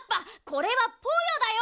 これはポヨだよ！